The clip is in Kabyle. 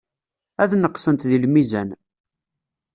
Ad neqsent deg lmizan.